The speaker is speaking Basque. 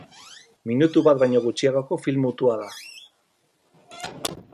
Minutu bat baino gutxiagoko film mutua da.